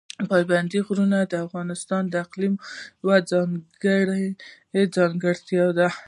پابندي غرونه د افغانستان د اقلیم یوه ځانګړې ځانګړتیا ده.